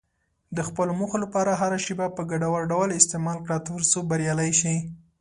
د خپلو موخو لپاره هره شېبه په ګټور ډول استعمال کړه، ترڅو بریالی شې.